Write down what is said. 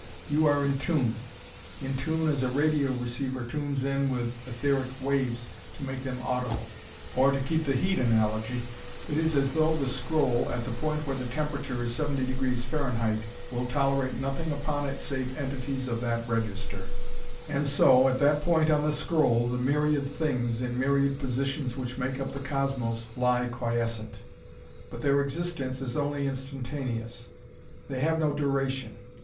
You are in tune; in tune as a radio receiver tunes in with etheric waves to make them audible. Or, to keep the heat analogy, it is as though the scroll, at the point where the temperature is 70°F, will tolerate nothing upon it save entities of that register. And so, at that point on the scroll, the myriad things, in myriad positions which make up the Cosmos, lie quiescent. But their existence is only instantaneous. They have no duration.